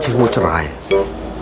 sekarang brig betul atau tidak